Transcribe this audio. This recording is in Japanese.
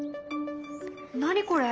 何これ？